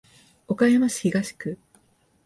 岡山市東区